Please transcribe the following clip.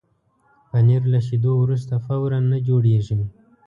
پنېر له شیدو وروسته فوراً نه جوړېږي.